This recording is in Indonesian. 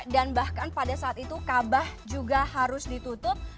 dan bahkan pada saat itu kabah juga harus ditutup